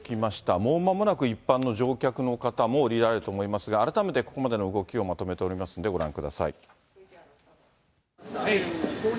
もうまもなく一般の乗客の方も降りられると思いますが、改めてここまでの動きをまとめておりますんで、ご覧ください。